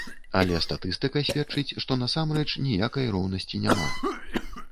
Але статыстыка сведчыць, што насамрэч ніякай роўнасці няма.